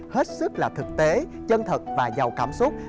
hết sức là thực tế chân thật và giàu cảm xúc